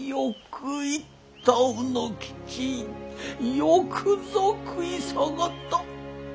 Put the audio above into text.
よくぞ食い下がった！